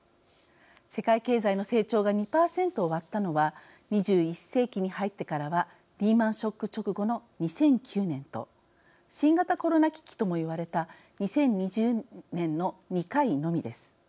世界経済の成長が２％を割ったのは２１世紀に入ってからはリーマンショック直後の２００９年と新型コロナ危機とも言われた２０２０年の２回のみです。